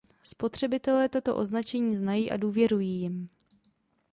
Spotřebitelé tato označení znají a důvěřují jim.